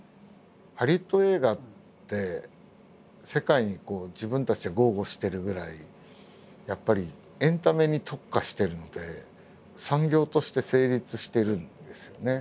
ハリウッド映画って世界に自分たちで豪語してるぐらいやっぱりエンタメに特化してるので産業として成立してるんですよね。